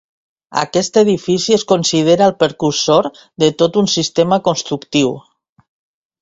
Aquest edifici es considera el precursor de tot un sistema constructiu.